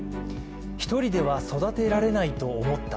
一人では育てられないと思った。